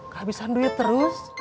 kehabisan duit terus